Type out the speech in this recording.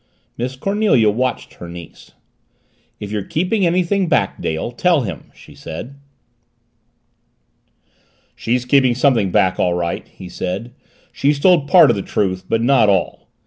Miss Cornelia watched her niece. "It you're keeping anything back, Dale tell him," she said. "She's keeping something back all right," he said. "She's told part of the truth, but not all."